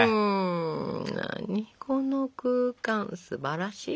何この空間すばらしいですよ。